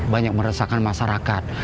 banyak meresahkan masyarakat